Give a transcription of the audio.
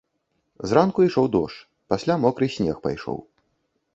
Зранку ішоў дождж, пасля мокры снег пайшоў.